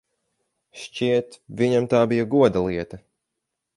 Šķiet, viņam tā bija goda lieta.